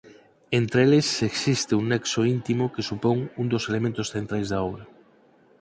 Entre eles existe un nexo íntimo que supón un dos elementos centrais da obra.